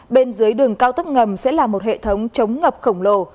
bên dưới đường cao tốc ngầm sẽ là một hệ thống chống ngập khổng lồ